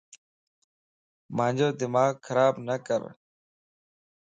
مانجو دماغ خراب نڪر